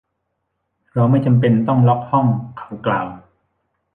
เราไม่จำเป็นต้องล็อคห้อง เขากล่าว